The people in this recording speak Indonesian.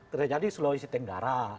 terjadi di sulawesi tenggara